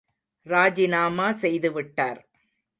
ராஜிநாமா செய்து விட்டார்.